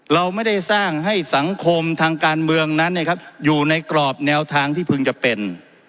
เราไม่ได้สร้างให้สังคมทางการเมืองนั้นอยู่ในกรอบแนวทางที่พึงจะเป็น